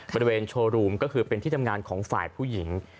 บริเวณโชว์รูมก็คือเป็นที่ทำงานของฝ่ายผู้หญิง